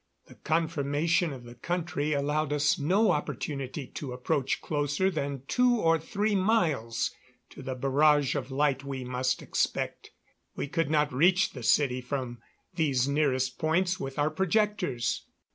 The conformation of the country allowed us no opportunity to approach closer than two or three miles to the barrage of light we must expect. We could not reach the city from these nearest points with our projectors.